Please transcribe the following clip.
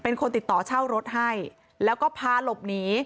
เป็นคนติดต่อเช่ารถให้แล้วก็พาหลบหนี